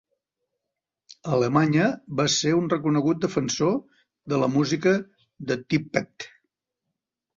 A Alemanya, va ser un reconegut defensor de la música de Tippett.